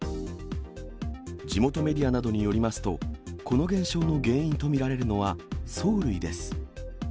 地元メディアなどによりますと、この現象の原因と見られるのは、藻類です。